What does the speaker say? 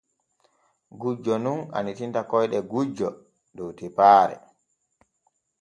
Gujjo nun annitinta koyɗe gujjo dow tepaare.